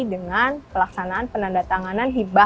dengan pelaksanaan penandatangan